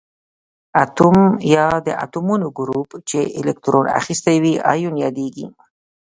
اتوم یا د اتومونو ګروپ چې الکترون اخیستی وي ایون یادیږي.